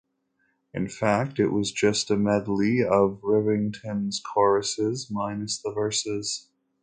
In fact, it was just a medley of the Rivington's choruses minus the verses.